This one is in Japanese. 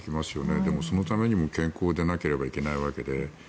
でも、そのためにも健康でなければいけないわけで。